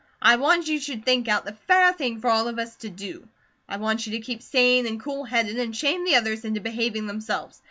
I want you should think out the FAIR thing for all of us to DO. I want you to keep sane and cool headed and shame the others into behaving themselves.